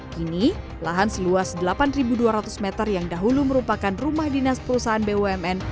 kini lahan seluas delapan dua ratus meter yang dahulu merupakan rumah dinas perusahaan bumn